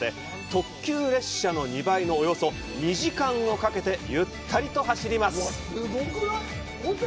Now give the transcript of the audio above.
特急列車の２倍、およそ２時間かけてゆったり走ります。